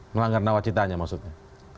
melanggar nawacitanya maksudnya